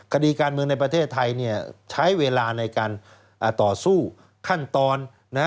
คดีการเมืองในประเทศไทยใช้เวลาในการต่อสู้ขั้นตอน